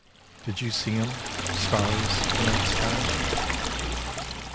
did you see 'em, stars of the night sky?